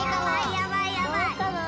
やばいやばい。